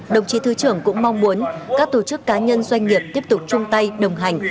đồng chí thứ trưởng cũng mong muốn các tổ chức cá nhân doanh nghiệp tiếp tục chung tay đồng hành